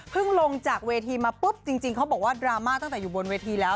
ลงจากเวทีมาปุ๊บจริงเขาบอกว่าดราม่าตั้งแต่อยู่บนเวทีแล้ว